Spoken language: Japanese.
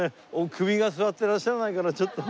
首が据わってらっしゃらないからちょっと。